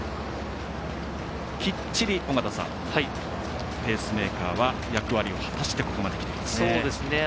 きっちりペースメーカーは役割を果たしてここまできていますね。